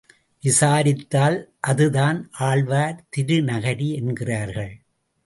விசாரித்தால் அதுதான் ஆழ்வார் திருநகரி என்கிறார்கள்.